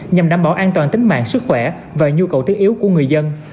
nhằm đảm bảo an toàn tính mạng sức khỏe và nhu cầu thiết yếu của người dân